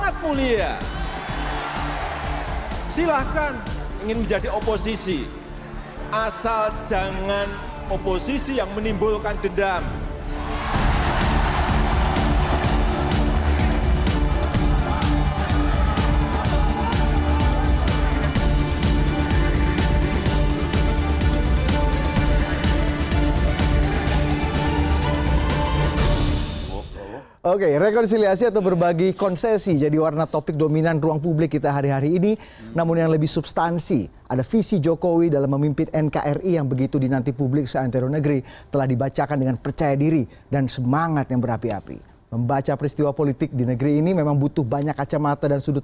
tidak ada lagi yang namanya satu tidak ada lagi yang namanya dua tidak ada lagi yang namanya cepo tidak ada lagi yang namanya kampret